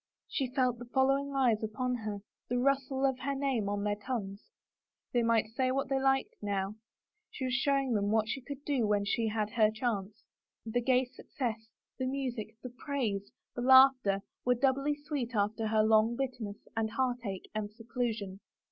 She felt the following eyes upon her, the rustle of her name on their tongues. They might say what they liked now — she was showing them what she could do when she had her chance ! The gay success, the music, the praise, the laughter, were doubly sweet after her long bitterness and heartache and seclusion.